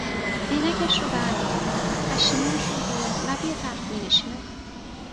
عینکش را برمیدارد پشیمان شده لبهی تخت مینشیند